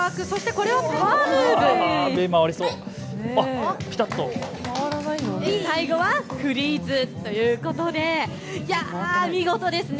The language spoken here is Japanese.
これがパワームーブ、最後はフリーズということで、見事ですね。